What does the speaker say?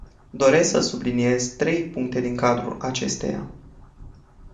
Doresc să subliniez trei puncte din cadrul acesteia.